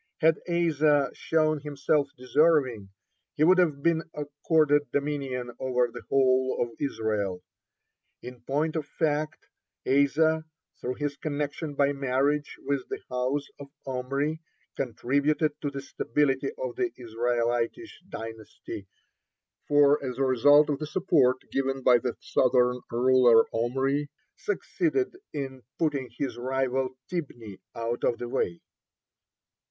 Had Asa shown himself deserving, he would have been accorded dominion over the whole of Israel. (23) In point of fact, Asa, through his connection by marriage with the house of Omri, contributed to the stability of the Israelitish dynasty, for as a result of the support given by the southern ruler Omri succeeded in putting his rival Tibni out of the way.